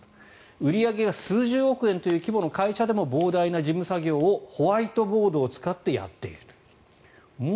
売り上げが数十億円という規模の会社でも膨大な事務作業をホワイトボードを使ってやっているという。